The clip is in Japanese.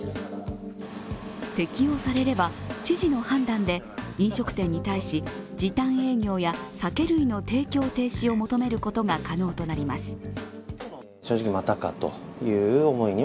適用されれば、知事の判断で飲食店に対し時短営業や酒類の提供停止を求めることが可能になります。